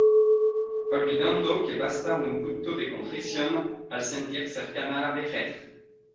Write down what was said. olvidando que basta un punto de contrición al sentir cercana la vejez.